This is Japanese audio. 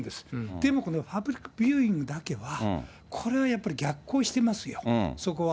でも、このパブリックビューイングだけは、これはやっぱり逆行してますよ、そこは。